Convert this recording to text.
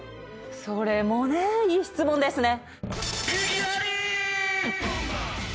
それもねいい質問ですね